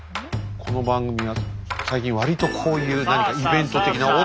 この番組は最近割とこういう何かイベント的な。